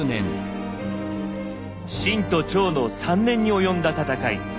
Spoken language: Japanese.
秦と趙の３年に及んだ戦い。